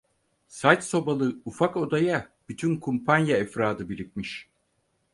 Sac sobalı ufak odaya bütün kumpanya efradı birikmiş.